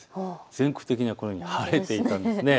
全国的にはこのように晴れていたんです。